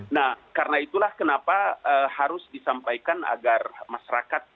nah karena itulah kenapa harus disampaikan agar masyarakat